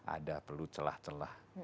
ada perlu celah celah